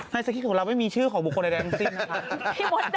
ในสคิดของเราไม่มีชื่อของบุคคลในแรงทีมนะคะ